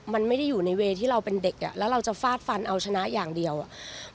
มันไม่ได้อยู่ในเวย์ที่เราเป็นเด็กอ่ะแล้วเราจะฟาดฟันเอาชนะอย่างเดียวอ่ะ